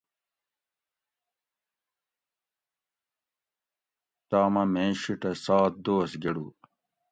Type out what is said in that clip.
تامہۤ میں شیٹہ سات دوس گۤڑو